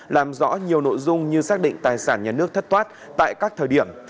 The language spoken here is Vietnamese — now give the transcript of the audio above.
làm rõ nhiều nội dung như xác định tài sản nhà nước thất thoát tại các thời điểm